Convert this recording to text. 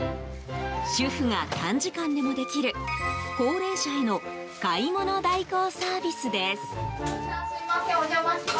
主婦が短時間でもできる高齢者への買い物代行サービスです。